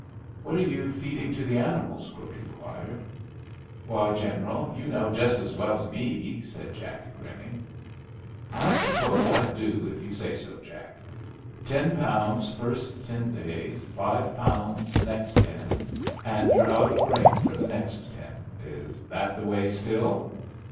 "What are you feeding to the animals?" Crook inquired. "Why, General, you know jest 's well 's me," said Jack, grinning. "I suppose I do if you say so, Jack. Ten pounds first ten days, five pounds next ten, and you're out of grain for the next ten. Is that the way still?"